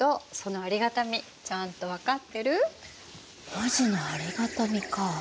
文字のありがたみか。